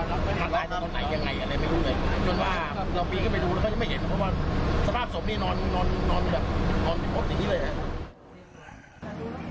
เพราะว่าสภาพสมนี้นอนไม่รอดถึงพอดีเลย